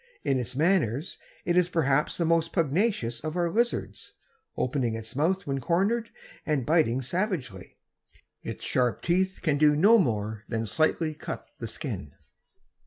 In its manners it is perhaps the most pugnacious of our lizards, opening its mouth when cornered, and biting savagely. Its sharp teeth can do no more than slightly cut the skin."